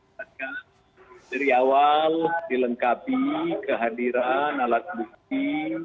satgas dari awal dilengkapi kehadiran alat bukti